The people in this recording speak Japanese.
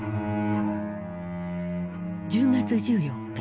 １０月１４日